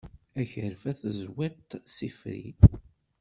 Akerfa tezwiḍ-t s ifri.